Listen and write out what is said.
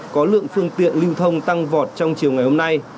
có lượng phương tiện lưu thông tăng vọt trong chiều ngày hôm nay